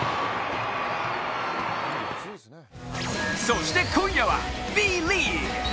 そして今夜はＢリーグ。